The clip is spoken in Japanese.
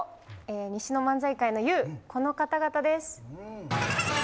西の漫才界の雄、この方々です。